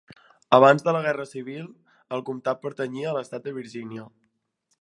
Abans de la Guerra Civil, el comtat pertanyia a l'estat de Virgínia.